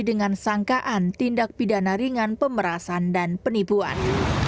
dengan sangkaan tindak pidana ringan pemerasan dan penipuan